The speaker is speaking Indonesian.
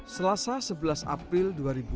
selasa sebelas april dua ribu dua puluh